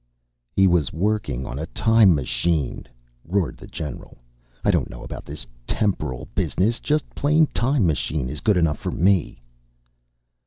"He was working on a time machine," roared the general. "I don't know about this 'temporal' business. Just plain 'time machine' is good enough for me."